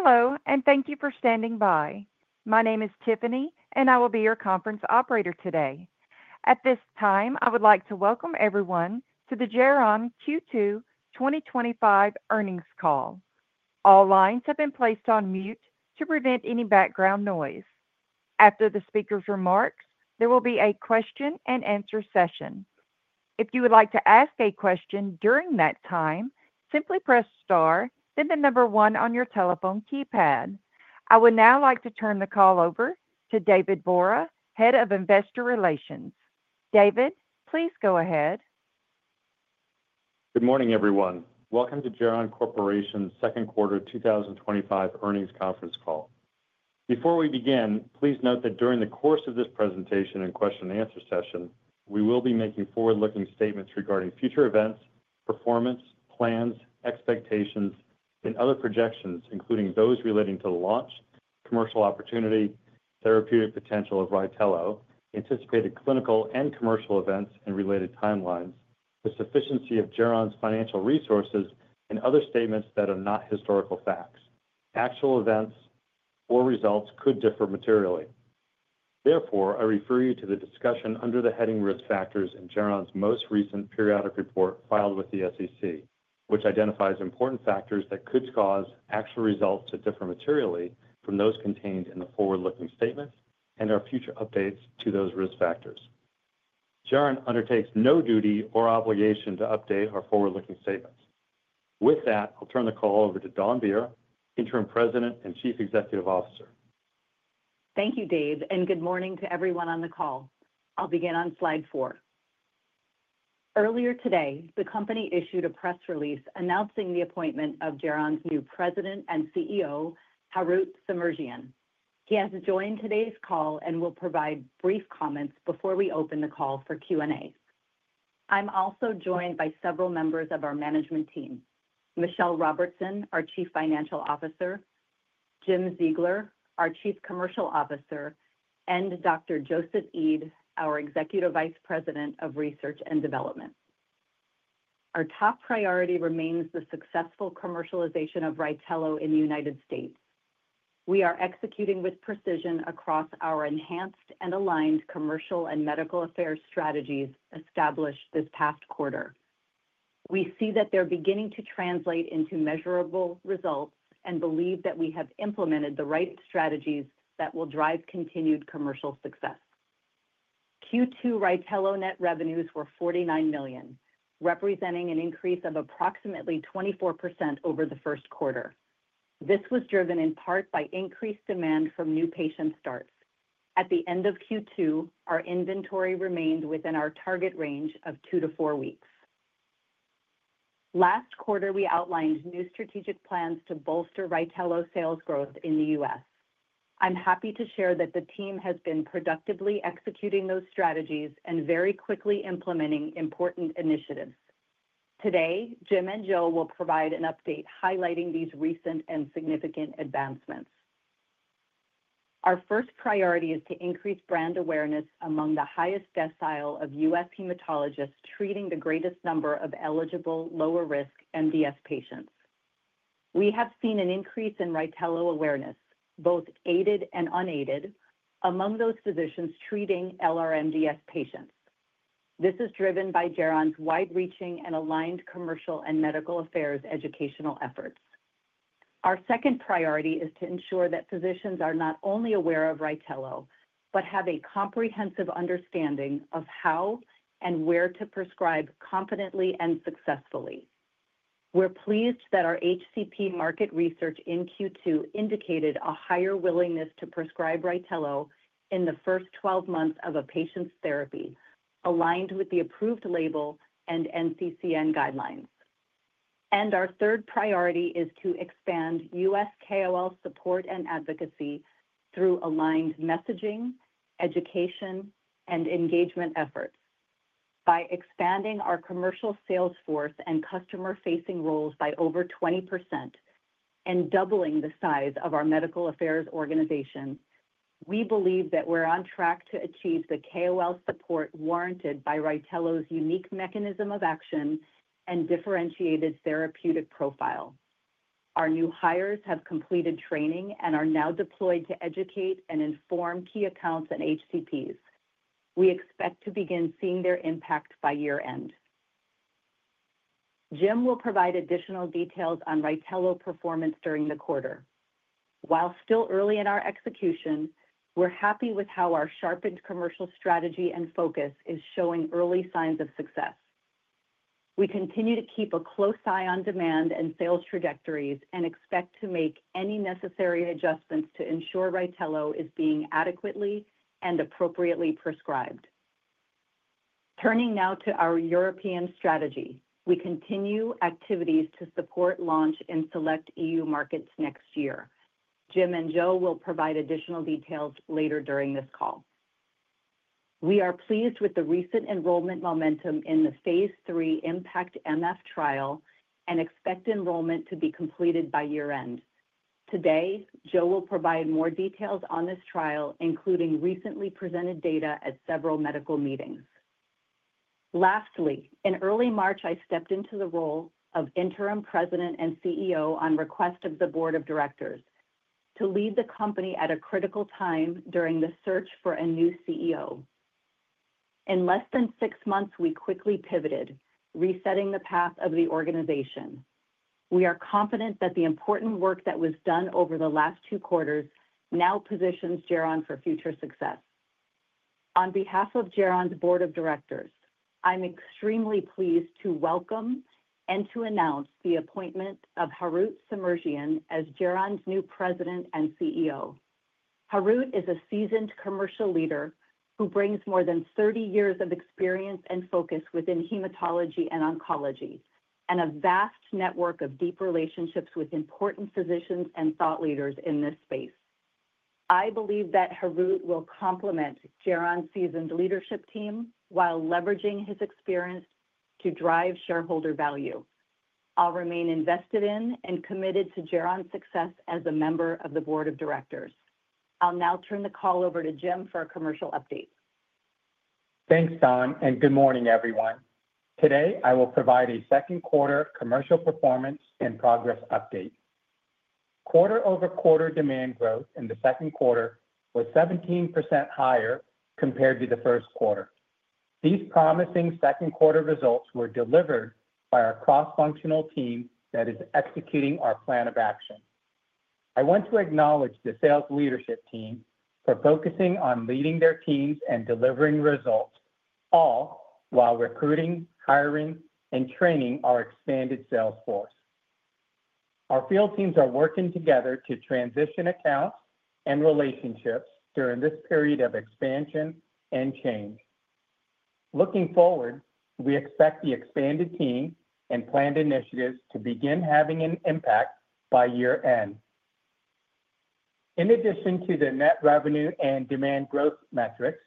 Hello, and thank you for standing by. My name is Tiffany, and I will be your conference operator today. At this time, I would like to welcome everyone to the Geron Q2 twenty twenty five Earnings Call. All lines have been placed on mute to prevent any background noise. After the speakers' remarks, there will be a question and answer session. I would now like to turn the call over to David Bora, Head of Investor Relations. David, please go ahead. Good morning, everyone. Welcome to Geron Corporation's second quarter twenty twenty five earnings conference call. Before we begin, please note that during the course of this presentation and question and answer session, we will be making forward looking statements regarding future events, performance, plans, expectations and other projections, including those relating to the launch, commercial opportunity, therapeutic potential of Rytello, anticipated clinical and commercial events and related timelines, the sufficiency of Geron's financial resources and other statements that are not historical facts. Actual events or results could differ materially. Therefore, I refer you to the discussion under the heading Risk Factors in Geron's most recent periodic report filed with the SEC, which identifies important factors that could cause actual results to differ materially from those contained in the forward looking statements and our future updates to those risk factors. Sharon undertakes no duty or obligation to update our forward looking statements. With that, I'll turn the call over to Dawn Beer, Interim President and Chief Executive Officer. Thank you, Dave, and good morning to everyone on the call. I'll begin on Slide four. Earlier today, the company issued a press release announcing the appointment of Geron's new President and CEO, Harout Samerjian. He has joined today's call and will provide brief comments before we open the call for Q and A. I'm also joined by several members of our management team, Michelle Robertson, our Chief Financial Officer Jim Ziegler, our Chief Commercial Officer and Doctor. Joseph Eid, our Executive Vice President of Research and Development. Our top priority remains the successful commercialization of Rytello in The United States. We are executing with precision across our enhanced and aligned commercial and medical affairs strategies established this past quarter. We see that they're beginning to translate into measurable results and believe that we have implemented the right strategies that will drive continued commercial success. Q2 RITELLO net revenues were $49,000,000 representing an increase of approximately 24% over the first quarter. This was driven in part by increased demand from new patient starts. At the end of Q2, our inventory remained within our target range of two to four weeks. Last quarter, we outlined new strategic plans to bolster Rytello sales growth in The US. I'm happy to share that the team has been productively executing those strategies and very quickly implementing important initiatives. Today, Jim and Joe will provide an update highlighting these recent and significant advancements. Our first priority is to increase brand awareness among the highest decile of US hematologists treating the greatest number of eligible lower risk MDS patients. We have seen an increase in Rytello awareness, both aided and unaided, among those physicians treating LR MDS patients. This is driven by Geron's wide reaching and aligned commercial and medical affairs educational efforts. Our second priority is to ensure that physicians are not only aware of Rytello, but have a comprehensive understanding of how and where to prescribe confidently and successfully. We're pleased that our HCP market research in Q2 indicated a higher willingness to prescribe Rytello in the first twelve months of a patient's therapy aligned with the approved label and NCCN guidelines. And our third priority is to expand US KOL support and advocacy through aligned messaging, education, and engagement efforts. By expanding our commercial sales force and customer facing roles by over 20% and doubling the size of our medical affairs organization, we believe that we're on track to achieve the KOL support warranted by Rytello's unique mechanism of action and differentiated therapeutic profile. Our new hires have completed training and are now deployed to educate and inform key accounts and HCPs. We expect to begin seeing their impact by year end. Jim will provide additional details on Rytello performance during the quarter. While still early in our execution, we're happy with how our sharpened commercial strategy and focus is showing early signs of success. We continue to keep a close eye on demand and sales trajectories and expect to make any necessary adjustments to ensure Rytello is being adequately and appropriately prescribed. Turning now to our European strategy. We continue activities to support launch in select EU markets next year. Jim and Joe will provide additional details later during this call. We are pleased with the recent enrollment momentum in the Phase three IMPACT MF trial and expect enrollment to be completed by year end. Today, Joe will provide more details on this trial, including recently presented data at several medical meetings. Lastly, in early March, I stepped into the role of interim president and CEO on request of the board of directors to lead the company at a critical time during the search for a new CEO. In less than six months, we quickly pivoted, resetting the path of the organization. We are confident that the important work that was done over the last two quarters now positions Geron for future success. On behalf of Geron's board of directors, I'm extremely pleased to welcome and to announce the appointment of Harout Semerjian as Geron's new president and CEO. Harout is a seasoned commercial leader who brings more than thirty years of experience and focus within hematology and oncology and a vast network of deep relationships with important physicians and thought leaders in this space. I believe that Harout will complement Jeron's seasoned leadership team while leveraging his experience to drive shareholder value. I'll remain invested in and committed to Jeron's success as a member of the board of directors. I'll now turn the call over to Jim for a commercial update. Thanks, Don, and good morning, everyone. Today, I will provide a second quarter commercial performance and progress update. Quarter over quarter demand growth in the second quarter was 17% higher compared to the first quarter. These promising second quarter results were delivered by our cross functional team that is executing our plan of action. I want to acknowledge the sales leadership team for focusing on leading their teams and delivering results, all while recruiting, hiring, and training our expanded sales force. Our field teams are working together to transition accounts and relationships during this period of expansion and change. Looking forward, we expect the expanded team and planned initiatives to begin having an impact by year end. In addition to the net revenue and demand growth metrics,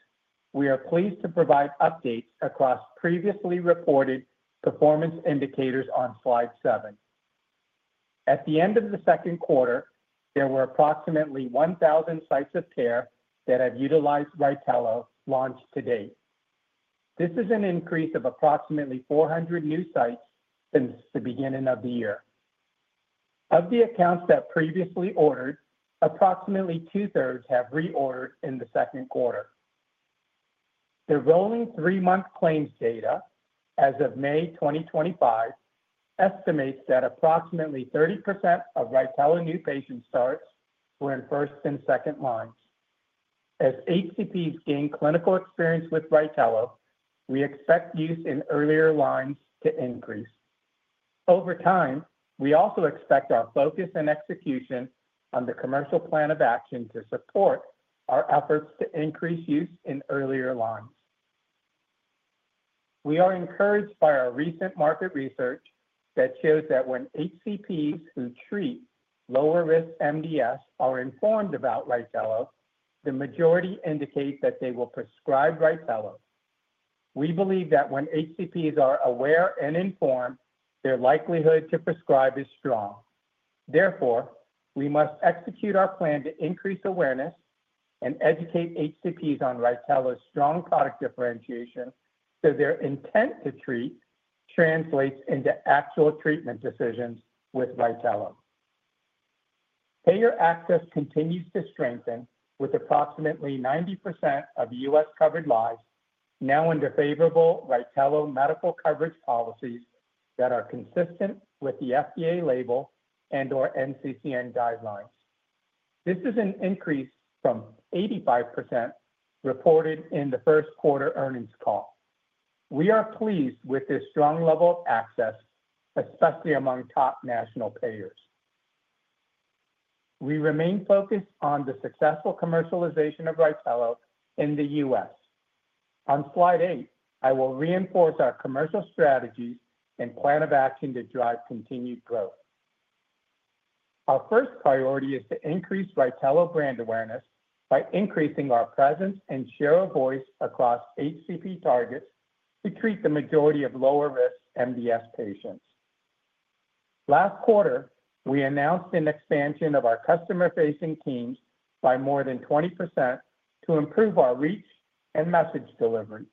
we are pleased to provide updates across previously reported performance indicators on Slide seven. At the end of the second quarter, there were approximately 1,000 sites of care that have utilized Rytello launched to date. This is an increase of approximately 400 new sites since the beginning of the year. Of the accounts that previously ordered, approximately two thirds have reordered in the second quarter. The rolling three month claims data as of May 2025 estimates that approximately thirty percent of Rytello new patient starts were in first and second lines. As HCPs gain clinical experience with Rytello, we expect use in earlier lines to increase. Over time, we also expect our focus and execution on the commercial plan of action to support our efforts to increase use in earlier launch. We are encouraged by our recent market research that shows that when HCPs who treat lower risk MDS are informed about Rytello, the majority indicate that they will prescribe Rytello. We believe that when HCPs are aware and informed, their likelihood to prescribe is strong. Therefore, we must execute our plan to increase awareness and educate HCPs on Rytella's strong product differentiation so their intent to treat translates into actual treatment decisions with Rytella. Payer access continues to strengthen with approximately ninety percent of US covered lives now under favorable Rytello medical coverage policies that are consistent with the FDA label and or NCCN guidelines. This is an increase from eighty five percent reported in the first quarter earnings call. We are pleased with this strong level of access, especially among top national payers. We remain focused on the successful commercialization of Rytello in The US. On slide eight, I will reinforce our commercial strategy and plan of action to drive continued growth. Our first priority is to increase VITELLO brand awareness by increasing our presence and share of voice across HCP targets to treat the majority of lower risk MDS patients. Last quarter, we announced an expansion of our customer facing teams by more than 20% to improve our reach and message delivery,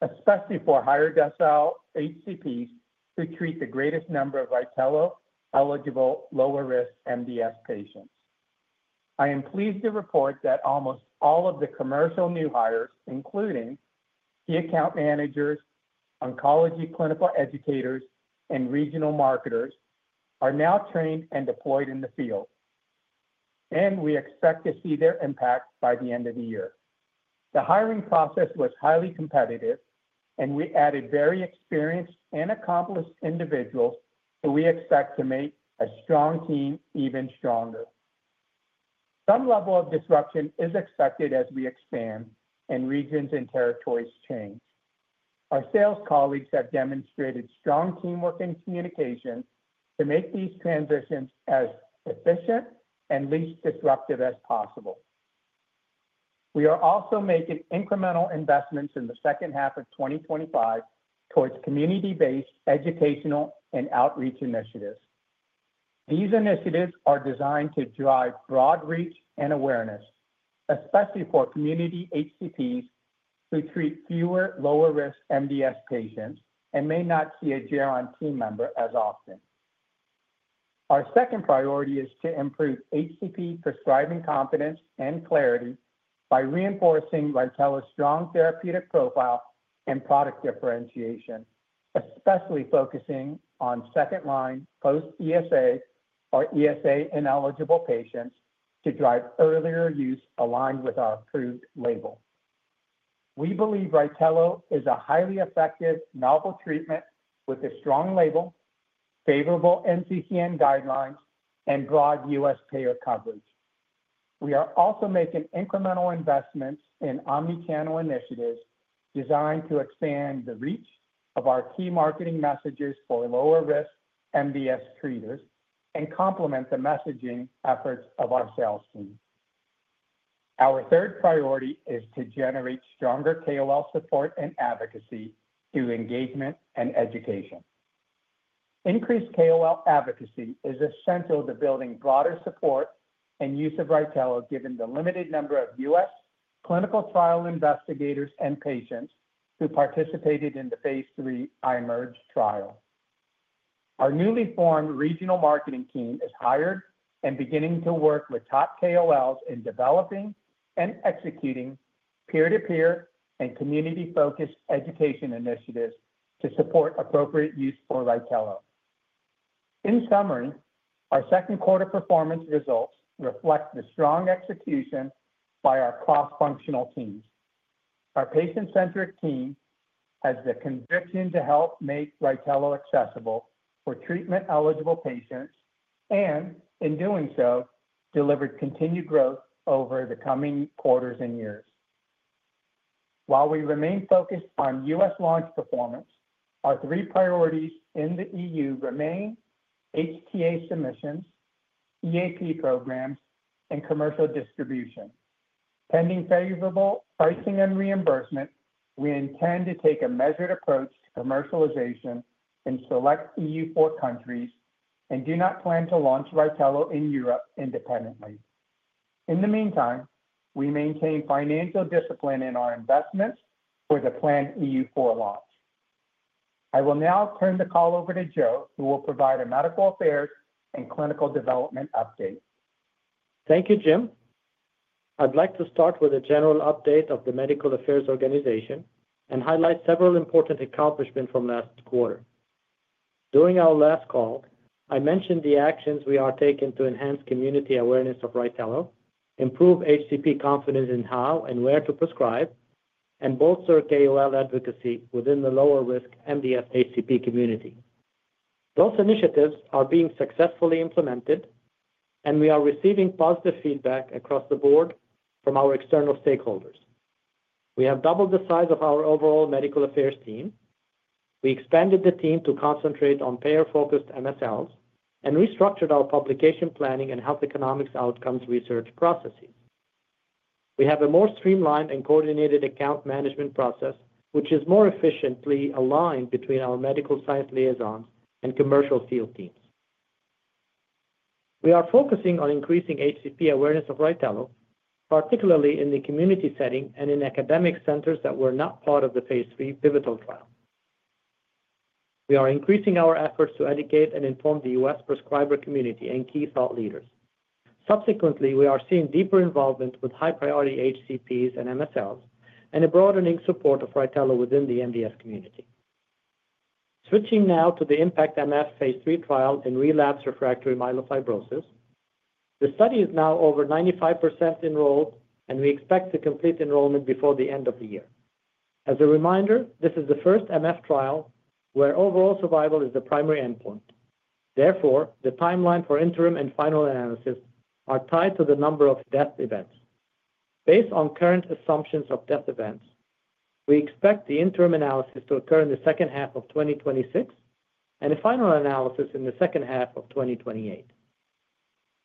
especially for higher decile HCPs to treat the greatest number of Vitello eligible lower risk MDS patients. I am pleased to report that almost all of the commercial new hires, including the account managers, oncology clinical educators, and regional marketers, are now trained and deployed in the field, and we expect to see their impact by the end of the year. The hiring process was highly competitive, and we added very experienced and accomplished individuals that we expect to make a strong team even stronger. Some level of disruption is expected as we expand and regions and territories change. Our sales colleagues have demonstrated strong teamwork and communication to make these transitions as efficient and least disruptive as possible. We are also making incremental investments in the 2025 towards community based educational and outreach initiatives. These initiatives are designed to drive broad reach and awareness, especially for community HCPs who treat fewer lower risk MDS patients and may not see a Geron team member as often. Our second priority is to improve HCP prescribing confidence and clarity by reinforcing Rytella's strong therapeutic profile and product differentiation, especially focusing on second line post ESA or ESA ineligible patients to drive earlier use aligned with our approved label. We believe Rytello is a highly effective novel treatment with a strong label, favorable NCCN guidelines, and broad US payer coverage. We are also making incremental investments in omnichannel initiatives designed to expand the reach of our key marketing messages for lower risk MBS traders and complement the messaging efforts of our sales team. Our third priority is to generate stronger KOL support and advocacy through engagement and education. Increased KOL advocacy is essential to building broader support and use of Rytello given the limited number of US clinical trial investigators and patients who participated in the phase three IMerge trial. Our newly formed regional marketing team is hired and beginning to work with top KOLs in developing and executing peer to peer and community focused education initiatives to support appropriate use for Rytello. In summary, our second quarter performance results reflect the strong execution by our cross functional teams. Our patient centric team has the conviction to help make Rytello accessible for treatment eligible patients and in doing so, delivered continued growth over the coming quarters and years. While we remain focused on US launch performance, our three priorities in The EU remain HTA submissions, EAP programs and commercial distribution. Pending favorable pricing and reimbursement, we intend to take a measured approach to commercialization in select EU four countries and do not plan to launch Rytello in Europe independently. In the meantime, we maintain financial discipline in our investments for the planned EU4 launch. I will now turn the call over to Joe, who will provide a medical affairs and clinical development update. Thank you, Jim. I'd like to start with a general update of the medical affairs organization and highlight several important accomplishments from last quarter. During our last call, I mentioned the actions we are taking to enhance community awareness of RITELLO, improve HCP confidence in how and where to prescribe and bolster KOL advocacy within the lower risk MDS HCP community. Those initiatives are being successfully implemented and we are receiving positive feedback across the board from our external stakeholders. We have doubled the size of our overall medical affairs team. We expanded the team to concentrate on payer focused MSLs and restructured our publication planning and health economics outcomes research processes. We have a more streamlined and coordinated account management process, which is more efficiently aligned between our medical science liaisons and commercial field teams. We are focusing on increasing HCP awareness of Rightello, particularly in the community setting and in academic centers that were not part of the Phase III pivotal trial. We are increasing our efforts to educate and inform The U. S. Prescriber community and key thought leaders. Subsequently, we are seeing deeper involvement with high priority HCPs and MSLs and a broadening support of Rytella within the MDS community. Switching now to the IMPACT MF Phase III trial in relapsed refractory myelofibrosis. The study is now over ninety five percent enrolled and we expect to complete enrollment before the end of the year. As a reminder, this is the first MF trial where overall survival is the primary endpoint. Therefore, the timeline for interim and final analysis are tied to the number of death events. Based on current assumptions of death events, we expect the interim analysis to occur in the 2026 and a final analysis in the 2028.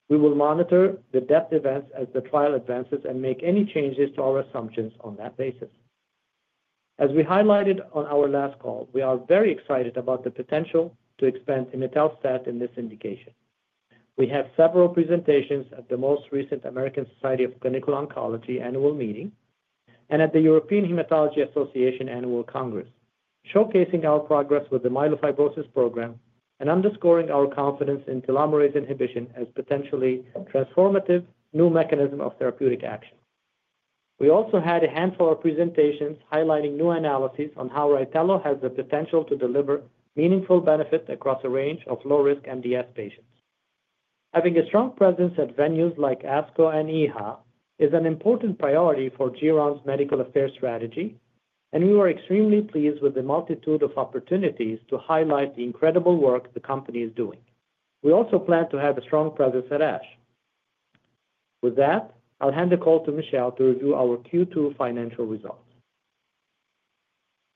We will monitor the depth events as the trial advances and make any changes to our assumptions on that basis. As we highlighted on our last call, we are very excited about the potential to expand Imetelstat in this indication. We have several presentations at the most recent American Society of Clinical Oncology Annual Meeting and at the European Hematology Association Annual Congress showcasing our progress with the myelofibrosis program and underscoring our confidence in telomerase inhibition as potentially transformative new mechanism of therapeutic action. We also had a handful of presentations highlighting new analyses on how Rytello has the potential to deliver meaningful benefit across a range of low risk MDS patients. Having a strong presence at venues like ASCO and EHA is an important priority for Geron's medical affairs strategy and we are extremely pleased with the multitude of opportunities to highlight the incredible work the company is doing. We also plan to have a strong presence at ASH. With that, I'll hand the call to Michel to review our Q2 financial results.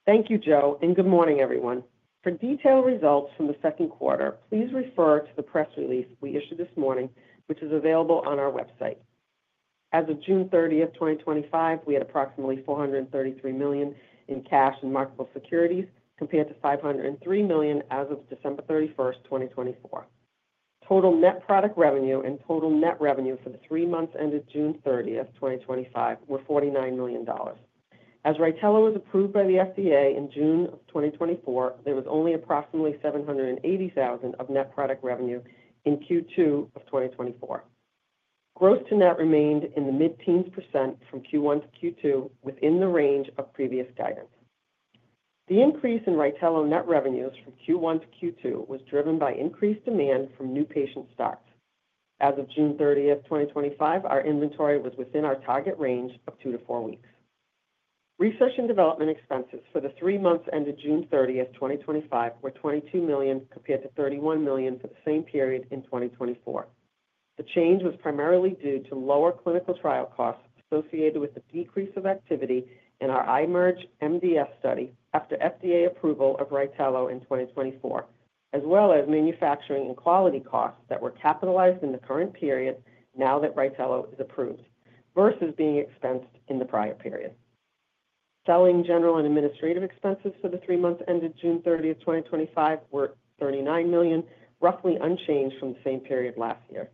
Thank you, Joe, and good morning, everyone. For detailed results from the second quarter, please refer to the press release we issued this morning, which is available on our website. As of 06/30/2025, we had approximately $433,000,000 in cash and marketable securities compared to $5.00 $3,000,000 as of 12/31/2024. Total net product revenue and total net revenue for the three months ended 06/30/2025 were $49,000,000 As Rytella was approved by the FDA in June 2024, there was only approximately $780,000 of net product revenue in 2024. Gross to net remained in the mid teens percent from Q1 to Q2 within the range of previous guidance. The increase in Rytello net revenues from Q1 to Q2 was driven by increased demand from new patient starts. As of 06/30/2025, our inventory was within our target range of two to four weeks. Research and development expenses for the three months ended 06/30/2025 were $22,000,000 compared to $31,000,000 for the same period in 2024. The change was primarily due to lower clinical trial costs associated with the decrease of activity in our IMerge MDS study after FDA approval of RITELLO in 2024, as well as manufacturing and quality costs that were capitalized in the current period now that RITELLO is approved versus being expensed in the prior period. Selling, general and administrative expenses for the three months ended 06/30/2025 were $39,000,000 roughly unchanged from the same period last year.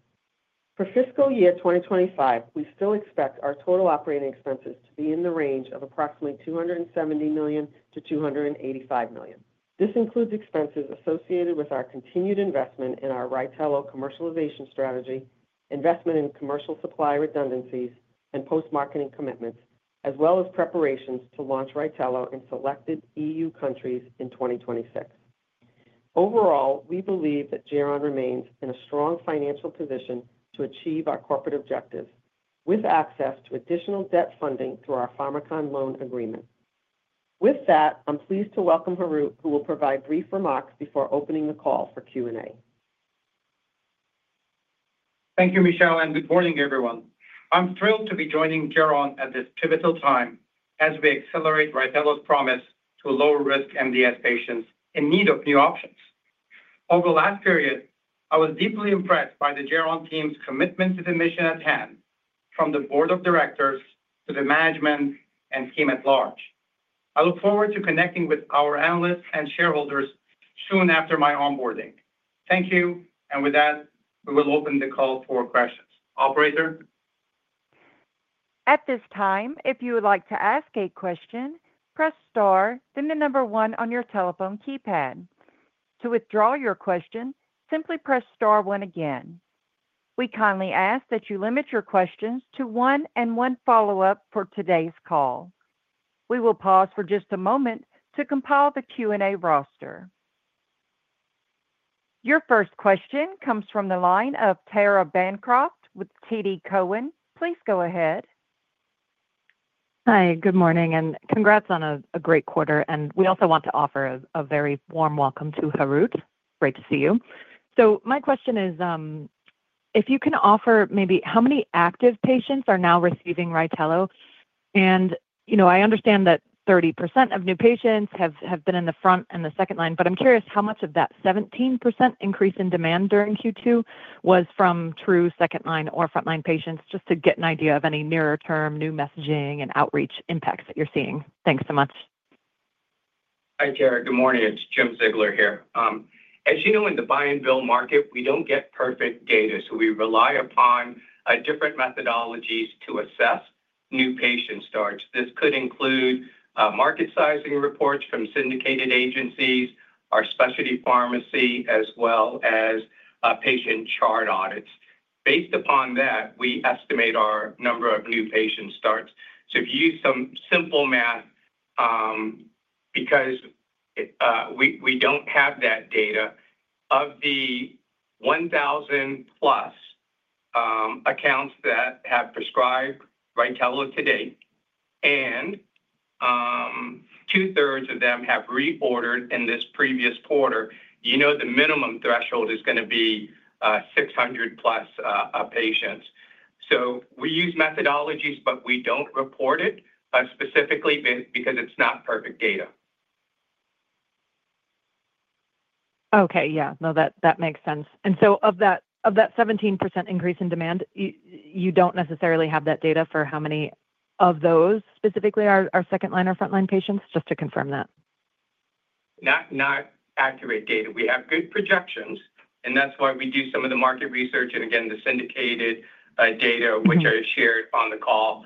For fiscal year twenty twenty five, we still expect our total operating expenses to be in the range of approximately $270,000,000 to $285,000,000 This includes expenses associated with our continued investment in our Rytello commercialization strategy, investment in commercial supply redundancies and post marketing commitments, as well as preparations to launch Rytello in selected EU countries in 2026. Overall, we believe that Geron remains in a strong financial position to achieve our corporate objective with access to additional debt funding through our Pharmacon loan agreement. With that, I'm pleased to welcome Harout, who will provide brief remarks before opening the call for Q and A. Thank you, Michelle, and good morning, everyone. I'm thrilled to be joining Geron at this pivotal time as we accelerate Rydellos promise to lower risk MDS patients in need of new options. Over the last period, I was deeply impressed by the Geron team's commitment to the mission at hand from the board of directors to the management and team at large. I look forward to connecting with our analysts and shareholders soon after my onboarding. Thank you. And with that, we will open the call for questions. Operator? Your first question comes from the line of Tara Bancroft with TD Cowen. Please go ahead. Hi, good morning and congrats on a great quarter. And we also want to offer a very warm welcome to Harut. Great to see you. So my question is, if you can offer maybe how many active patients are now receiving Rytello? And I understand that thirty percent of new patients have been in the front and the second line, but I'm curious how much of that 17% increase in demand during Q2 was from true second line or frontline patients just to get an idea of any nearer term new messaging and outreach impacts that you're seeing? Thanks so much. Hi, Tara. Good morning. It's Jim Ziegler here. As you know, in the buy and bill market, we don't get perfect data, so we rely upon different methodologies to assess new patient starts. This could include market sizing reports from syndicated agencies, our specialty pharmacy, as well as patient chart audits. Based upon that, we estimate our number of new patient starts. So if you use some simple math because, we we don't have that data, of the 1,000 plus, accounts that have prescribed Rytella today, and, two thirds of them have reordered in this previous quarter, you know the minimum threshold is gonna be, 600 plus, patients. So we use methodologies, but we don't report it specifically because it's not perfect data. Okay. Yeah. No. That that makes sense. And so of that of that 17% increase in demand, you don't necessarily have that data for how many of those specifically are are second line or frontline patients? Just to confirm that. Not not accurate data. We have good projections, and that's why we do some of the market research and, again, the syndicated data which I shared on the call.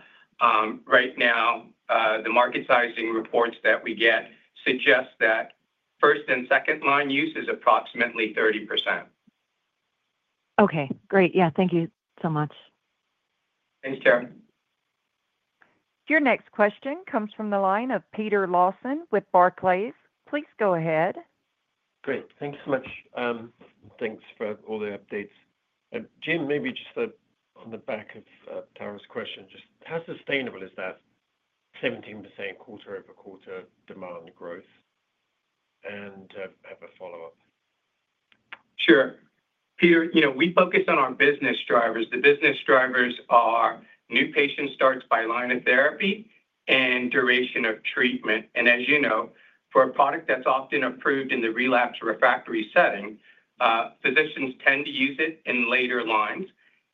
Right now, the market sizing reports that we get suggest that first and second line use is approximately 30%. Okay. Great. Yeah. Thank you so much. Thanks, Karen. Your next question comes from the line of Peter Lawson with Barclays. Please go ahead. Great. Thanks so much. Thanks for all the updates. Jim, maybe just on the back of Tara's question, just how sustainable is that 17% quarter over quarter demand growth? And I have a follow-up. Sure. Peter, you know, we focus on our business drivers. The business drivers are new patient starts by line of therapy and duration of treatment. And as you know, for a product that's often approved in the relapsed refractory setting, physicians tend to use it in later lines.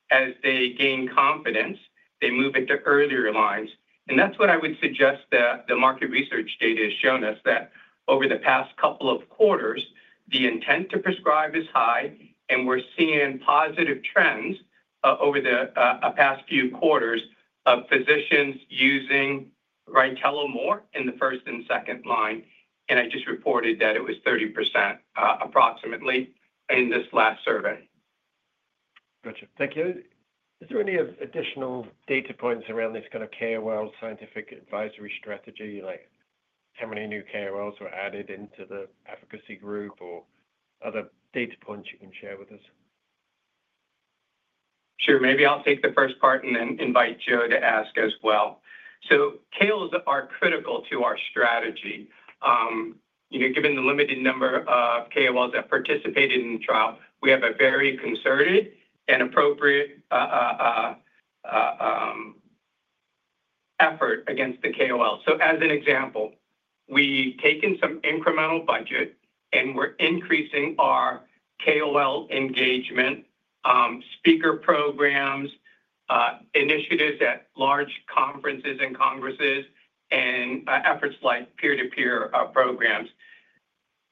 As they gain confidence, they move into earlier lines. And that's what I would suggest that the market research data has shown us that over the past couple of quarters, the intent to prescribe is high, and we're seeing positive trends, over the, past few quarters of physicians using Rytello more in the first and second line. And I just reported that it was thirty percent, approximately in this last survey. Got you. Thank you. Is there any additional data points around this kind of KOL scientific advisory strategy? Like, how many new KOLs were added into the efficacy group or other data points you can share with us? Sure. Maybe I'll take the first part and then invite Joe to ask as well. So KOLs are critical to our strategy. You know, given the limited number of KOLs that participated in the trial, we have a very concerted and appropriate effort against the KOL. So as an example, we've taken some incremental budget, and we're increasing our KOL engagement, speaker programs, initiatives at large conferences and congresses, and efforts like peer to peer programs.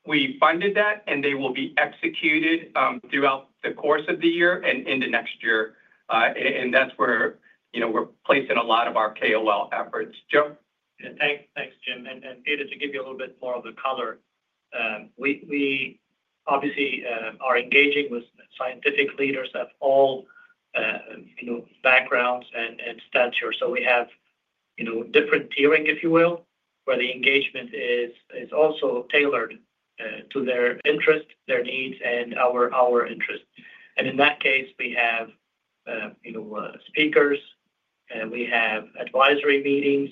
We funded that, and they will be executed, throughout the course of the year and into next year. And that's where, you know, we're placing a lot of our KOL efforts. Joe? Yeah. Thanks thanks, Jim. And and, Peter, to give you a little bit more of the color, we we obviously are engaging with scientific leaders of all, you know, backgrounds and and stature. So we have, you know, different tiering, if you will, where the engagement is is also tailored to their interest, their needs, and our our interest. And in that case, we have, you know, speakers, and we have advisory meetings.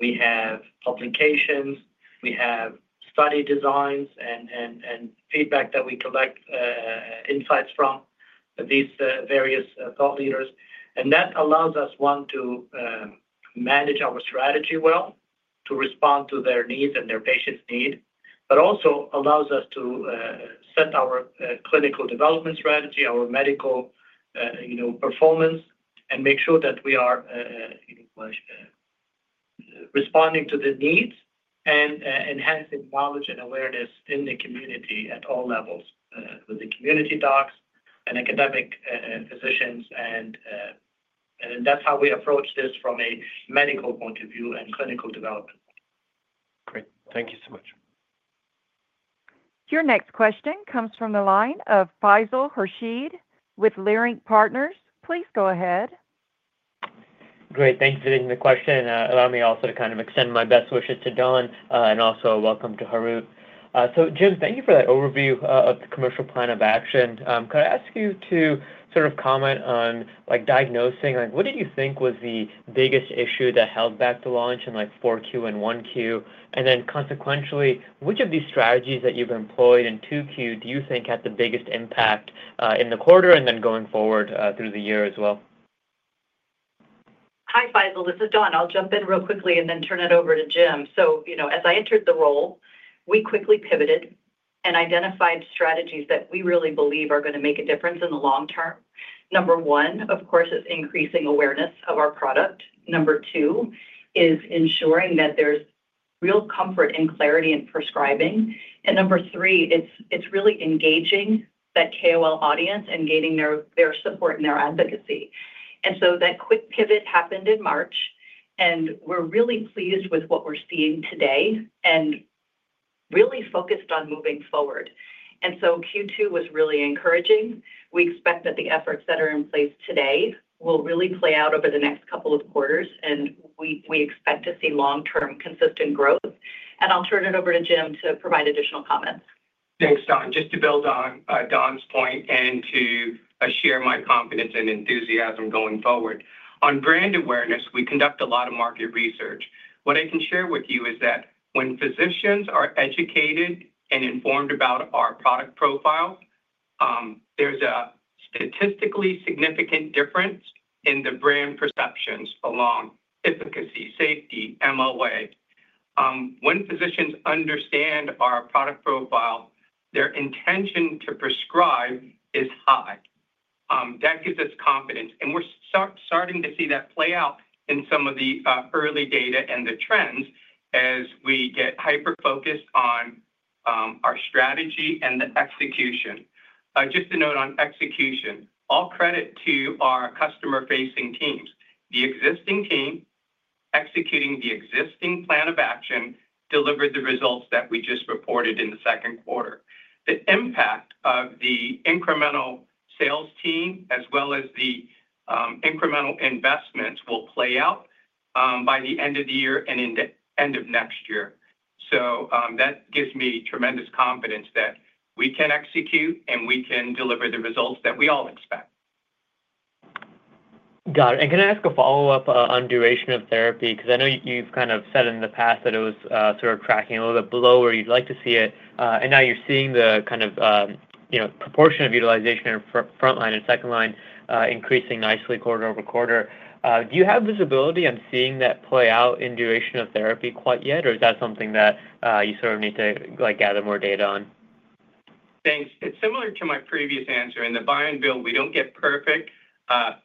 We have publications. We have study designs and and and feedback that we collect, insights from these, various thought leaders. And that allows us, one, to manage our strategy well, to respond to their needs and their patients' need, but also allows us to, set our clinical development strategy, our medical, you know, performance, and make sure that we are responding to the needs and enhancing knowledge and awareness in the community at all levels, with the community docs and academic physicians. And And that's how we approach this from a medical point of view and clinical development. Great. Thank you so much. Your next question comes from the line of Faisal Hirshed with Leerink Partners. Please go ahead. Great. Thanks for taking the question. Allow me also to kind of extend my best wishes to Don, and also welcome to Haroot. So Jim, thank you for that overview of the commercial plan of action. Could I ask you to sort of comment on like diagnosing? Like what do you think was the biggest issue that held back the launch in like 4Q and 1Q? And then consequentially, which of these strategies that you've employed in 2Q do you think had the biggest impact in the quarter and then going forward through the year as well? Hi, Faisal. This is Dawn. I'll jump in real quickly and then turn it over to Jim. So, you know, as I entered the role, we quickly pivoted and identified strategies that we really believe are gonna make a difference in the long term. Number one, of course, is increasing awareness of our product. Number two is ensuring that there's real comfort and clarity in prescribing. And number three, it's it's really engaging that KOL audience and gaining their their support and their advocacy. And so that quick pivot happened in March, and we're really pleased with what we're seeing today and really focused on moving forward. And so q two was really encouraging. We expect that the efforts that are in place today will really play out over the next couple of quarters, and we we expect to see long term consistent growth. And I'll turn it over to Jim to provide additional comments. Thanks, Don. Just to build on, Don's point and to share my confidence and enthusiasm going forward. On brand awareness, we conduct a lot of market research. What I can share with you is that when physicians are educated and informed about our product profile, there's a statistically significant difference in the brand perceptions along efficacy, safety, MOA. When physicians understand our product profile, their intention to prescribe is high. That gives us confidence, and we're start starting to see that play out in some of the, early data and the trends as we get hyper focused on, our strategy and the execution. Just a note on execution, all credit to our customer facing teams. The existing team executing the existing plan of action delivered the results that we just reported in the second quarter. The impact of the incremental sales team as well as the, incremental investments will play out by the end of the year and in the end of next year. So, that gives me tremendous confidence that we can execute and we can deliver the results that we all expect. Got it. And can I ask a follow-up on duration of therapy? Because I know you've kind of said in the past that it was sort of tracking a little bit below where you'd like to see it. And now you're seeing the kind of proportion of utilization in front line and second line increasing nicely quarter over quarter. Do you have visibility on seeing that play out in duration of therapy quite yet? Or is that something that, you sort of need to, like, gather more data on? Thanks. It's similar to my previous answer. In the buy and bill, we don't get perfect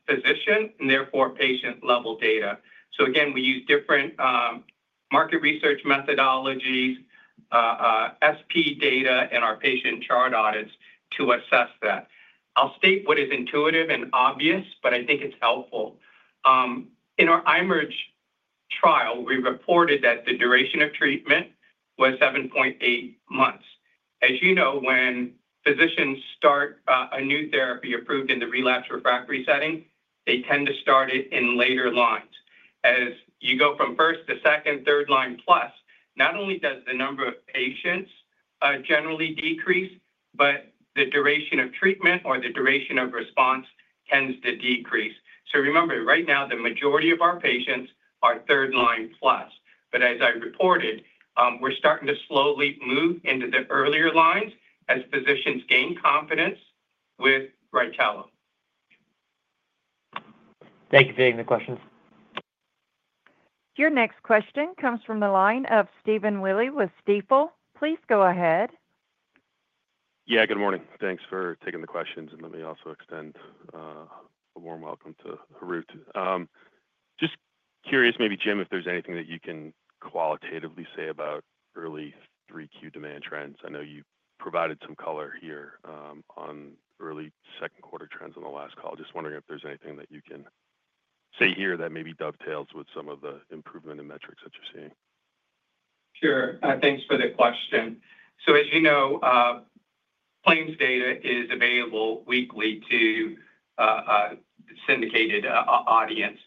physician and, therefore, patient level data. So, again, we use different market research methodologies, SP data, and our patient chart audits to assess that. I'll state what is intuitive and obvious, but I think it's helpful. In our IMerge trial, we reported that the duration of treatment was seven point eight months. As you know, when physicians start, a new therapy approved in the relapsed refractory setting, they tend to start it in later lines. As you go from first to second, third line plus, not only does the number of patients, generally decrease, but the duration of treatment or the duration of response tends to decrease. So remember, right now, the majority of our patients are third line plus. But as I reported, we're starting to slowly move into the earlier lines as physicians gain confidence with Brightcalo. Thank you for taking the questions. Your next question comes from the line of Stephen Willey with Stifel. Please go ahead. Yes, good morning. Thanks for taking the questions. And let me also extend a warm welcome to Harut. Just curious maybe Jim if there's anything that you can qualitatively say about early 3Q demand trends. I know you provided some color here, on early second quarter trends on the last call. Just wondering if there's anything that you can say here that maybe dovetails with some of the improvement in metrics that you're seeing. Sure. Thanks for the question. So as you know, claims data is available weekly to, syndicated audience.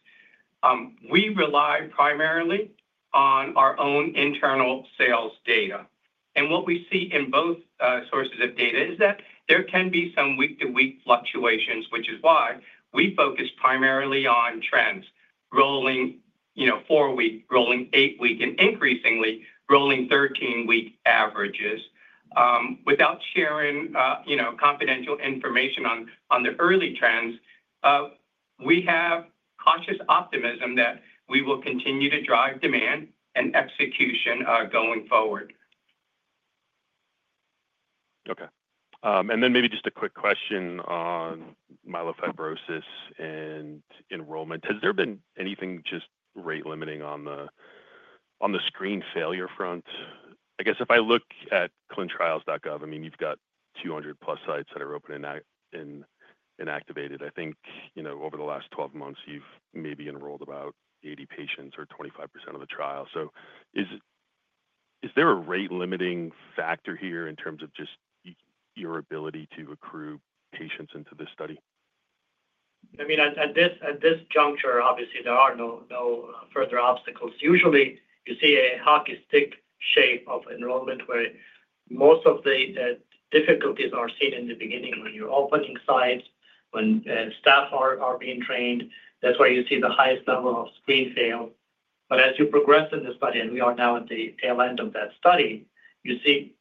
We rely primarily on our own internal sales data. And what we see in both, sources of data is that there can be some week to week fluctuations, which is why we focus primarily on trends, rolling, you know, four week, rolling eight week, and increasingly, thirteen week averages. Without sharing, you know, confidential information on on the early trends, we have conscious optimism that we will continue to drive demand and execution, going forward. Okay. And then maybe just a quick question on myelofibrosis and enrollment. Has there been anything just rate limiting on the screen failure front? I guess if I look at clintrials.gov, mean, you've got 200 plus sites that are open activated. I think over the last twelve months, you've maybe enrolled about eighty patients or twenty five percent of the trial. So is there a rate limiting factor here in terms of just your ability to accrue patients into this study? I mean, at at this at this juncture, obviously, there are no no further obstacles. Usually, you see a hockey stick shape of enrollment where most of the difficulties are seen in the beginning. When you're opening sites, when staff are are being trained, that's why you see the highest level of screen fail. But as you progress in this study, and we are now at the tail end of that study, you see,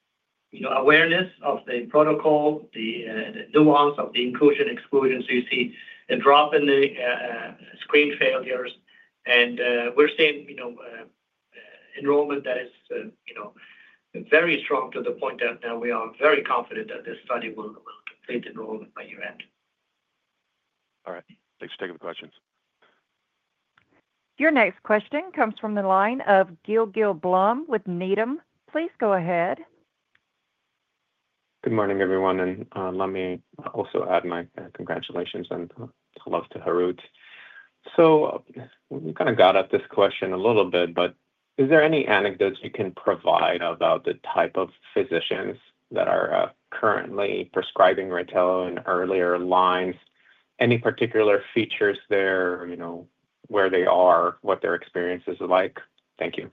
you know, awareness of the protocol, the, the nuance of the inclusion exclusion. So you see a drop in the screen failures. And, we're seeing, you know, enrollment that is, you know, very strong to the point that we are very confident that this study will complete enrollment by year end. Alright. Thanks for taking the questions. Your next question comes from the line of Gil Gil Blum with Needham. Please go ahead. Good morning, everyone. And, let me also add my congratulations and love to Harut. So we kind of got at this question a little bit, but is there any anecdotes you can provide about the type of physicians that are currently prescribing Ratel in earlier lines? Any particular features there, you know, where they are, what their experience is like? Thank you.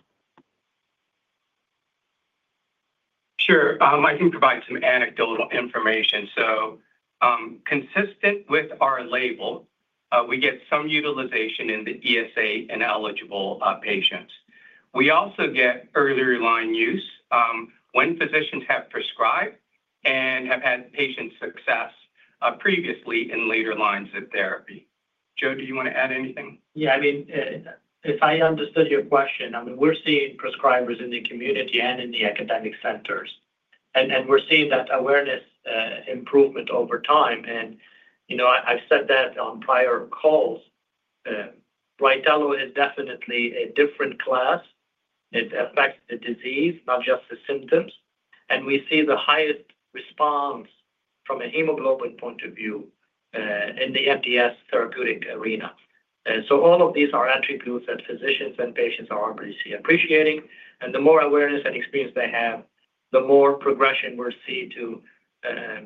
Sure. I can provide some anecdotal information. So, consistent with our label, we get some utilization in the ESA ineligible, patients. We also get earlier line use, when physicians have prescribed and have had patient success, previously in later lines of therapy. Joe, do you wanna add anything? Yeah. I mean, if I understood your question, I mean, we're seeing prescribers in the community and in the academic centers, and and we're seeing that awareness, improvement over time. And, you know, I I've said that on prior calls. Brightelo is definitely a different class. It affects the disease, not just the symptoms, and we see the highest response from a hemoglobin point of view, in the MDS therapeutic arena. And so all of these are attributes that physicians and patients are obviously appreciating, and the more awareness and experience they have, the more progression we're seeing to,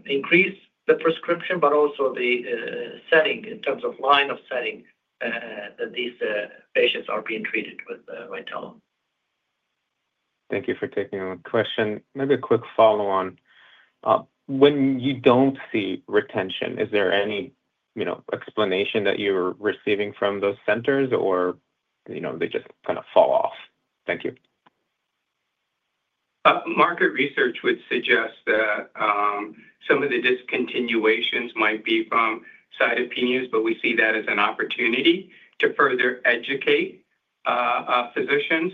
increase the prescription but also the setting in terms of line of setting that these patients are being treated with Ritalin. Thank you for taking my question. Maybe a quick follow on. When you don't see retention, is there any you know, explanation that you're receiving from those centers, or, you know, they just kinda fall off? Thank you. Market research would suggest that, some of the discontinuations might be from cytopenias, but we see that as an opportunity to further educate, physicians.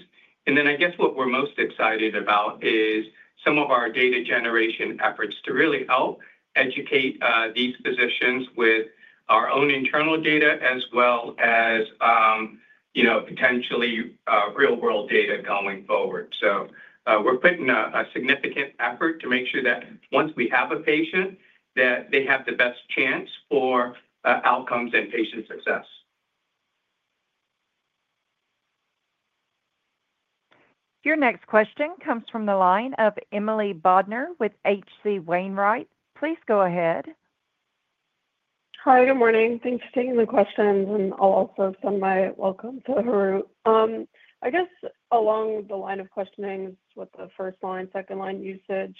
And then I guess what we're most excited about is some of our data generation efforts to really help educate, these physicians with our own internal data as well as, you know, potentially, real world data going forward. So, we're putting a a significant effort to make sure that once we have a patient, that they have the best chance for, outcomes and patient success. Your next question comes from the line of Emily Bodnar with H. C. Wainwright. Please go ahead. Hi. Good morning. Thanks for taking the questions, and I'll also send my welcome to Herou. I guess along the line of questioning with the first line, second line usage,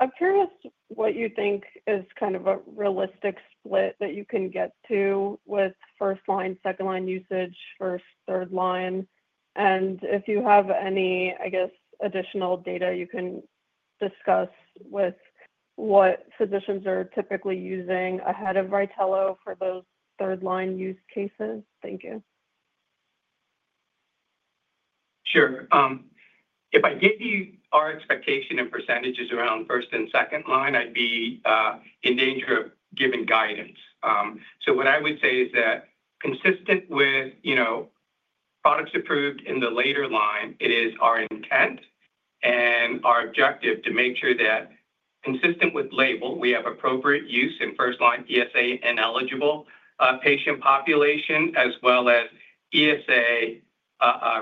I'm curious what you think is kind of a realistic split that you can get to with first line, second line usage, first, third line. And if you have any, I guess, additional data you can discuss with what physicians are typically using ahead of Rytello for those third line use cases? Thank you. Sure. If I give you our expectation and percentages around first and second line, I'd be, in danger of giving guidance. So what I would say is that consistent with, you know, products approved in the later line, it is our intent and our objective to make sure that consistent with label, we have appropriate use in first line ESA ineligible, patient population as well as ESA,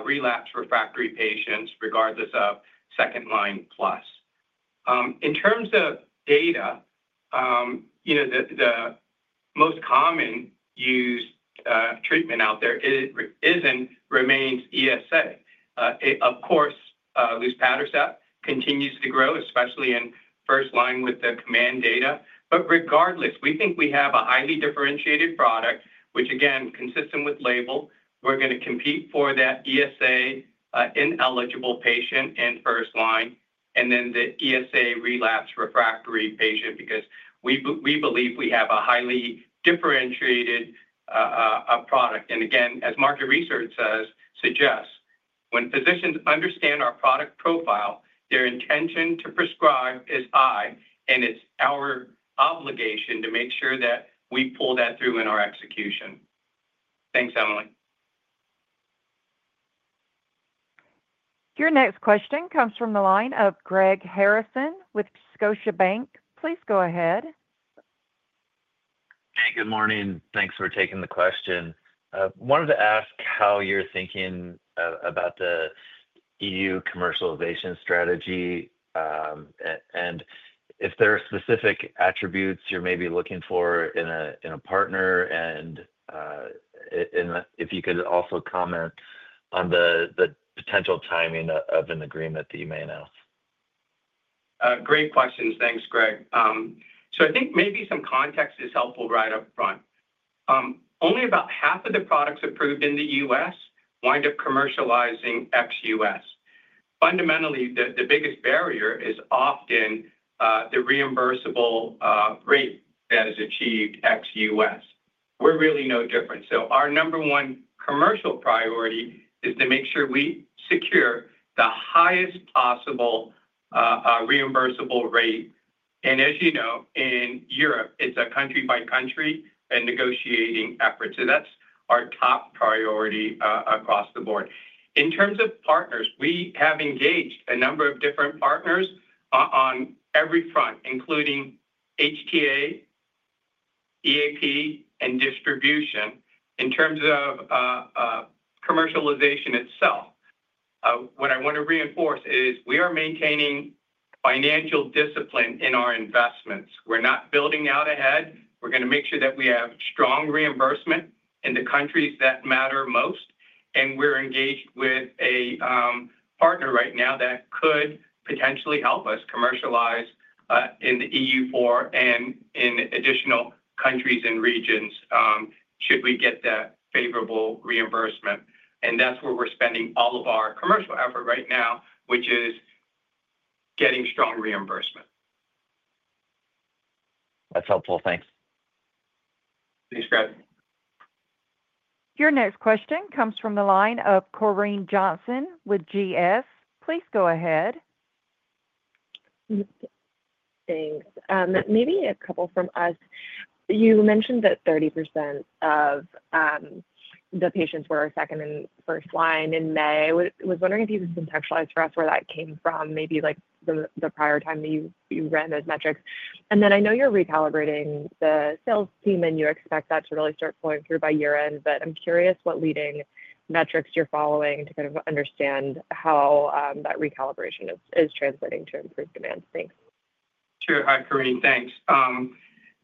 relapse refractory patients regardless of second line plus. In terms of data, you know, the the most common used, treatment out there is and remains ESA. Of course, luspatercept continues to grow, especially in first line with the command data. But regardless, we think we have a highly differentiated product, which, again, consistent with label. We're gonna compete for that ESA ineligible patient in first line and then the ESA relapsedrefractory patient because we we believe we have a highly differentiated product. And, again, as market research says suggests, when physicians understand our product profile, their intention to prescribe is I, and it's our obligation to make sure that we pull that through in our execution. Thanks, Emily. Your next question comes from the line of Greg Harrison with Scotiabank. Please go ahead. Hey, good morning. Thanks for taking the question. Wanted to ask how you're thinking about the EU commercialization strategy, if there are specific attributes you're maybe looking for in a in a partner and and if you could also comment on the the potential timing of an agreement that you may announce. Great questions. Thanks, Greg. So I think maybe some context is helpful right up front. Only about half of the products approved in The US wind up commercializing ex US. Fundamentally, the the biggest barrier is often, the reimbursable, rate that is achieved ex US. We're really no different. So our number one commercial priority is to make sure we secure the highest possible, reimbursable rate. And as you know, in Europe, it's a country by country and negotiating efforts. So that's our top priority, across the board. In terms of partners, we have engaged a number of different partners on every front, including HTA, EAP, and distribution in terms of, commercialization itself. What I wanna reinforce is we are maintaining financial discipline in our investments. We're not building out ahead. We're gonna make sure that we have strong reimbursement in the countries that matter most, and we're engaged with a, partner right now that could potentially help us commercialize, in the EU for and in additional countries and regions, should we get that favorable reimbursement. And that's where we're spending all of our commercial effort right now, which is getting strong reimbursement. That's helpful. Thanks. Thanks, Scott. Your next question comes from the line of Corrine Johnson with GS. Please go ahead. Thanks. Maybe a couple from us. You mentioned that thirty percent of the patients were second and first line in May. I was wondering if you can contextualize for us where that came from, maybe, like, the the prior time that you you ran those metrics. And then I know you're recalibrating the sales team, and you expect that to really start flowing through by year end. But I'm curious what leading metrics you're following to kind of understand how, that recalibration is is translating to improve demand. Thanks. Sure. Hi, Karine. Thanks.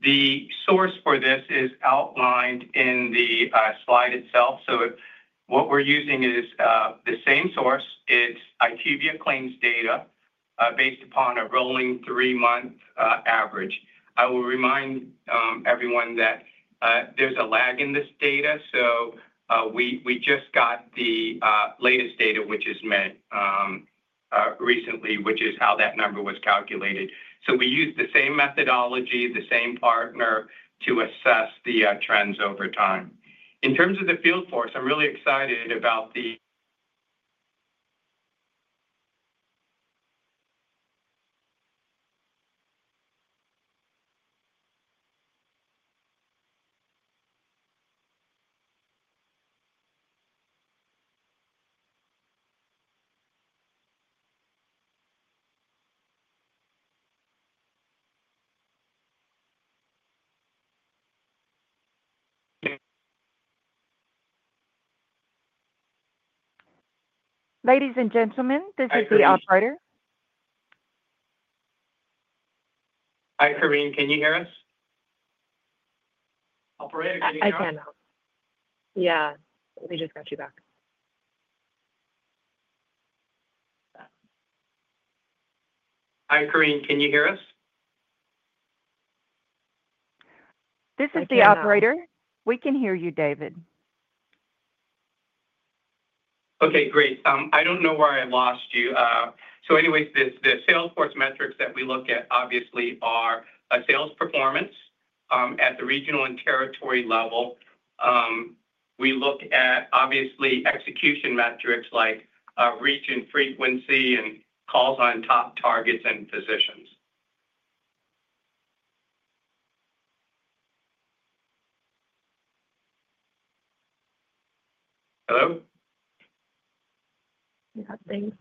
The source for this is outlined in the slide itself. So what we're using is, the same source. It's IQVIA claims data, based upon a rolling three month, average. I will remind, everyone that, there's a lag in this data. So, we we just got the, latest data, which is met, recently, which is how that number was calculated. So we used the same methodology, the same partner to assess the, trends over time. In terms of the field force, I'm really excited about the Ladies and gentlemen, this is the operator. Hi, Karine. Can you hear us? Operator, can you hear us? Yeah. We just got you back. Hi, Corinne. Can you hear us? Is the operator. We can hear you, David. Okay. Great. I don't know why I lost you. So, anyways, the the Salesforce metrics that we look at, obviously, are a sales performance, at the regional and territory level. We look at, obviously, execution metrics like reach and frequency and calls on top targets and positions. Hello? Yes, thanks.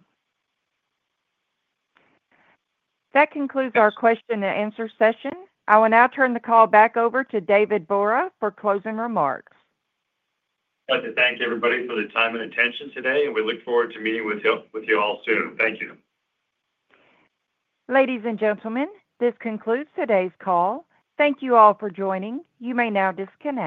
That concludes our question and answer session. I will now turn the call back over to David Bora for closing remarks. I'd to thank everybody for the time and attention today, and we look forward to meeting with you all soon. Thank you. Ladies and gentlemen, this concludes today's call. Thank you all for joining. You may now disconnect.